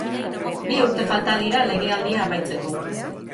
Bi urte falta dira legealdia amaitzeko.